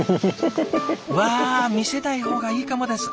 うわ見せない方がいいかもです。